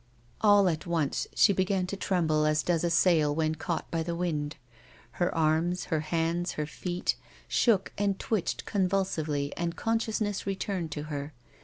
All at once she began to tremble, as does a sail when caught by the wind. Her arms, her hands, her feet, shook and twitched convulsively, and consciousness returned to her.